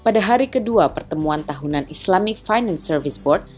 pada hari kedua pertemuan tahunan islamic finance service sport